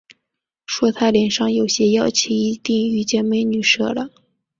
说他脸上有些妖气，一定遇见“美女蛇”了